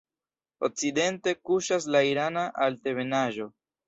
Okcidente kuŝas la Irana Altebenaĵo.